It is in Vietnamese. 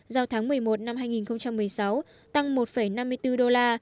giao tháng một mươi một năm hai nghìn một mươi sáu tăng một năm mươi bốn đô la